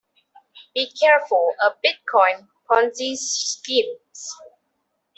Be careful of bitcoin Ponzi schemes.